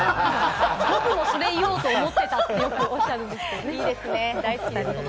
僕もそれ言おうと思ってたってよくおっしゃるって、いいですね。